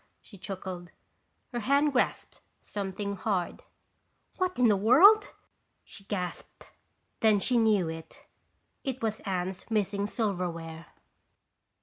she chuckled. Her hand grasped something hard. "What in the world?" she gasped. Then she knew. It was Anne's missing silverware.